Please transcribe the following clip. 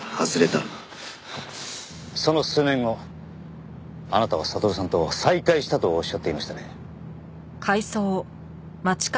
その数年後あなたは悟さんと再会したとおっしゃっていましたね。